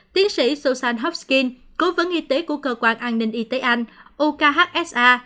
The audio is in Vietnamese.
tiến sĩ susan hopkins cố vấn y tế của cơ quan an ninh y tế anh ukhsa